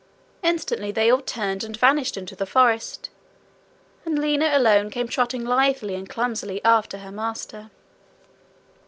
Instantly they all turned, and vanished in the forest, and Lina alone came trotting lithely and clumsily after her master.